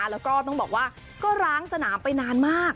แล้วก็ต้องบอกว่าก็ร้างสนามไปนานมาก